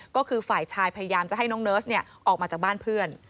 ก็คือฝ่ายชายพยายามจะให้น้องเนิร์สออกมาจากบ้านเพื่อน